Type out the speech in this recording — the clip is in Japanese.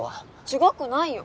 違くないよ。